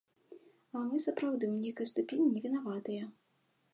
А мы сапраўды ў нейкай ступені не вінаватыя.